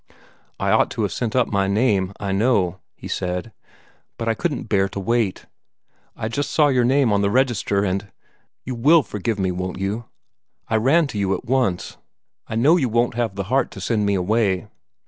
"I ought to have sent up my name, I know," he said, "but I couldn't bear to wait. I just saw your name on the register and you WILL forgive me, won't you? I ran to you at once. I know you won't have the heart to send me away!"